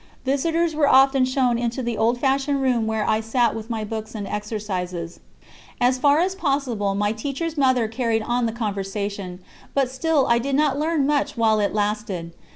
Visitors were often shown into the old fashioned room where I sat with my books and exercises. As far as possible my teacher's mother carried on the conversation, but still I did not learn much while it lasted.